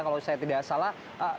kalau saya tidak salah